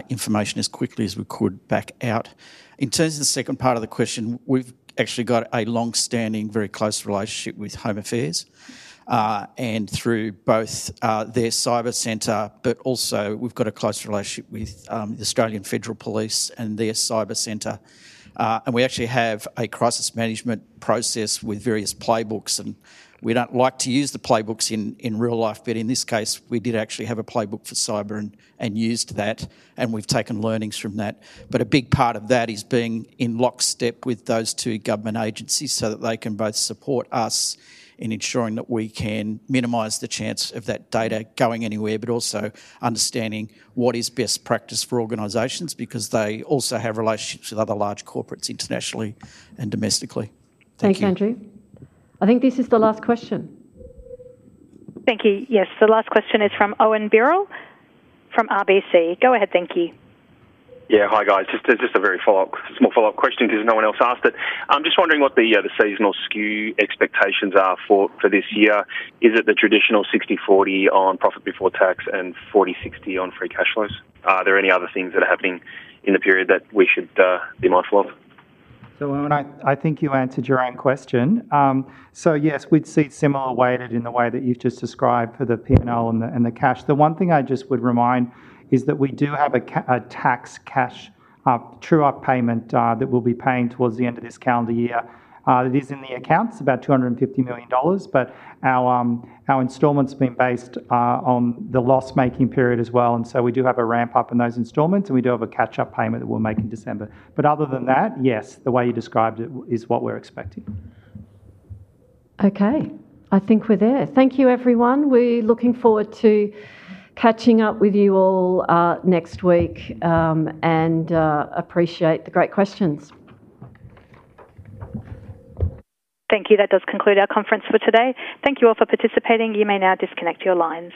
information as quickly as we could back out. In terms of the second part of the question, we've actually got a long-standing, very close relationship with Home Affairs and through both their cyber center. We also have a close relationship with the Australian Federal Police and their cyber center, and we actually have a crisis management process with various playbooks. We don't like to use the playbooks in real life, but in this case we did actually have a playbook for cyber and used that, and we've taken learnings from that. A big part of that is being in lockstep with those two government agencies so that they can both support us in ensuring that we can minimize the chance of that data going anywhere, and also understanding what is best practice for organizations because they also have relationships with other large corporates internationally and domestically. Thanks, Andrew. I think this is the last question. Thank you. Yes, the last question is from Owen Birrell from RBC. Go ahead. Thank you. Yeah, hi guys. Just a very small follow up question because no one else asked it. I'm just wondering what the seasonal skew expectations are for this year. Is the traditional 60/40 on profit before tax and 40/60 on free cash flows? Are there any other things that are happening in the period that we should be mindful of? I think you answered your own question. Yes, we'd see similar weighted in. The way that you've just described for the P&L and the cash, the one thing I just would remind is that we do have a tax cash true-up payment that we'll be paying towards the end of this calendar year. It is in the accounts at about $250 million, but our installments have been based on the loss-making period as well, and we do have a ramp up in those installments. We do have a catch-up payment that we'll make in December. Other than that, yes, the way you described it is what we're expecting. Okay, I think we're there. Thank you, everyone. We're looking forward to catching up with you all next week and appreciate the great questions. Thank you. That does conclude our conference for today. Thank you all for participating. You may now disconnect your lines.